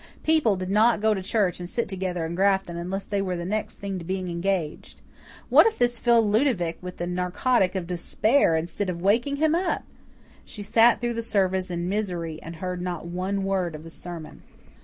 People did not go to church and sit together in Grafton unless they were the next thing to being engaged. What if this filled Ludovic with the narcotic of despair instead of wakening him up! She sat through the service in misery and heard not one word of the sermon.